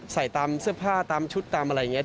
ใส่ตามเสื้อผ้าชุดตามอะไรที่เข้า